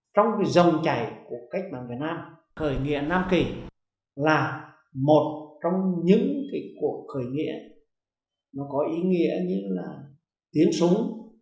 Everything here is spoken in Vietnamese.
trong dòng chảy của cách bằng việt nam khởi nghĩa nam kỳ là một trong những cuộc khởi nghĩa có ý nghĩa như tiến súng